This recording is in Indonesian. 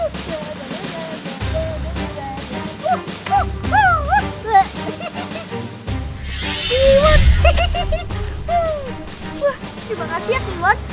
terima kasih ya timon